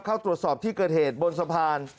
เข้าตรวจสอบที่เกิดเหตุบนสะพาน